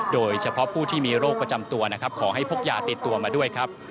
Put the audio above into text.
โดยเฉพาะผู้ที่มีโรคประจำตัวนะครับขอให้พกยาติดตัวมาด้วยครับ